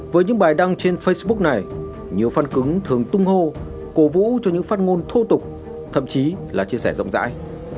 với những bài đăng trên facebook này nhiều phân cứng thường tung hô cố vũ cho những phát ngôn thô tục thậm chí là chia sẻ rộng rãi